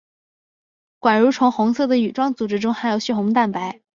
管蠕虫红色的羽状组织中含有血红蛋白。